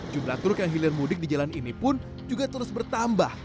jumlah truk yang hilir mudik di jalan ini pun juga terus bertambah